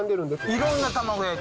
いろんな玉子焼き？